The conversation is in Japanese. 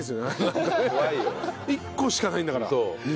１個しかないんだから肉。